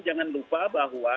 jangan lupa bahwa